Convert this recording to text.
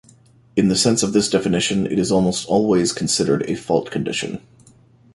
In the sense of this definition, it is almost always considered a fault condition.